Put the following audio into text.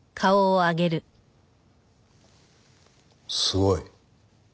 すごい。